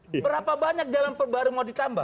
berapa banyak jalan baru mau ditambah